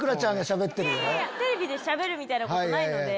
テレビでしゃべるみたいなことないので。